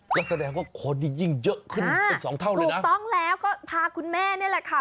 ก็แสดงว่าคนนี้ยิ่งเยอะขึ้นเป็นสองเท่าเลยถูกต้องแล้วก็พาคุณแม่นี่แหละค่ะ